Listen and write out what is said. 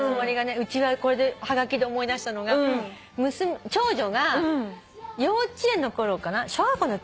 うちははがきで思い出したのが長女が幼稚園の頃かな小学校の頃かな。